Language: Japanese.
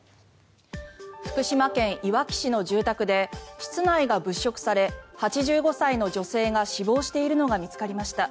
福島県いわき市の住宅で室内が物色され８５歳の女性が死亡しているのが見つかりました。